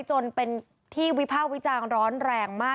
จนเป็นที่วิภาควิจารณ์ร้อนแรงมาก